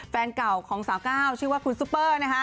แฟนเก่าของสาวก้าวชื่อว่าคุณซุปเปอร์นะคะ